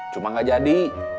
cuma gak jadi